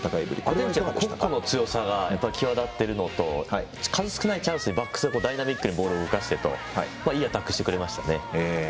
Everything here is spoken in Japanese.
アルゼンチンは個々の強さが、際立っているのと数少ないチャンスで、バックスがダイナミックにボールを動かしていいアタックしてくれましたね。